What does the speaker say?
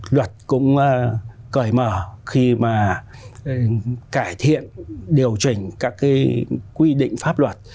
luật cũng cởi mở khi mà cải thiện điều chỉnh các cái quy định pháp luật